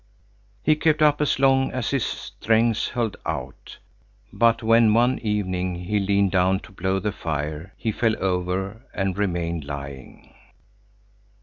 He kept up as long as his strength held out, but when one evening he leaned down to blow the fire, he fell over and remained lying.